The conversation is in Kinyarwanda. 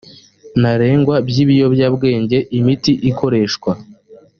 ntarengwa by ibiyobyabwenge imiti ikoreshwa